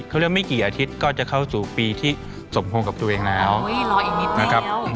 อาทิตย์ก็จะเข้าสู่ปีที่สมคงกับตัวเองแล้วโอ้ยรออีกนิดแนว